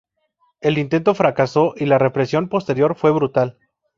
El intento fracasó y la represión posterior fue brutal.